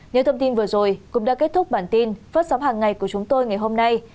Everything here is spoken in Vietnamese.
những thông tin vừa rồi cũng đã kết thúc bản tin phát sóng hàng ngày của chúng tôi ngày hôm nay